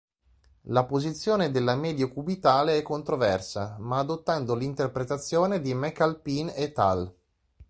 La posizione della medio-cubitale è controversa, ma adottando l'interpretazione di McAlpine "et al.